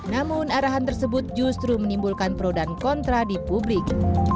namun arahan tersebut justru menimbulkan pro dan kontra di publik